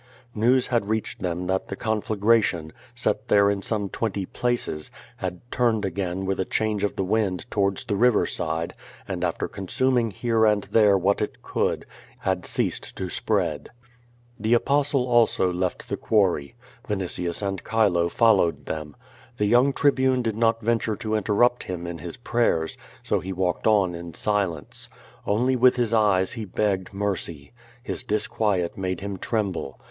News had reached them that the conflagration, set there in some iwenty places, had turned again with a change of the wind towards the river side, and after consuming here and there what it could, had ceased to spread. The Apostle also left the quarry. Vinitius and Chilo fol lowed them. The young Tribune did not venture to inter rupt him in his prayers, so he walked on in silence. Only with his eyes he begged mercy. His disquiet made him trem ble.